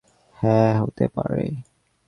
হ্যাঁ, হতে পারে।